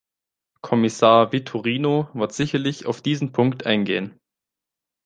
Kommissar Vitorino wird sicherlich auf diesen Punkt eingehen.